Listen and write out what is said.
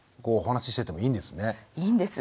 いいんです。